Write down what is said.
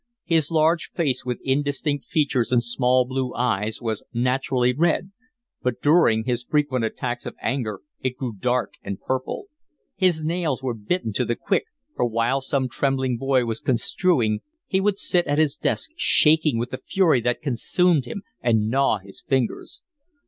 His large face, with indistinct features and small blue eyes, was naturally red, but during his frequent attacks of anger it grew dark and purple. His nails were bitten to the quick, for while some trembling boy was construing he would sit at his desk shaking with the fury that consumed him, and gnaw his fingers.